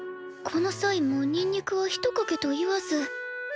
この際もうにんにくはひとかけと言わず。